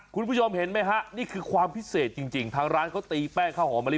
คุณผู้ชมเห็นไหมฮะนี่คือความพิเศษจริงทางร้านเขาตีแป้งข้าวหอมมะลิ